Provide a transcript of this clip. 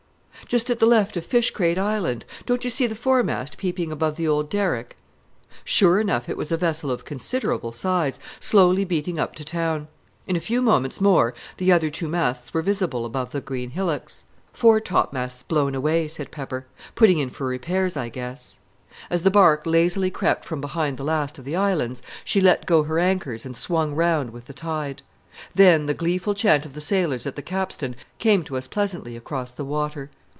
"Just at the left of Fishcrate Island. Don't you see the foremast peeping above the old derrick?" Sure enough it was a vessel of considerable size, slowly beating up to town. In a few moments more the other two masts were visible above the green hillocks. "Fore topmasts blown away," said Pepper. "Putting in for repairs, I guess." As the bark lazily crept from behind the last of the islands, she let go her anchors and swung round with the tide. Then the gleeful chant of the sailors at the capstan came to us pleasantly across the water.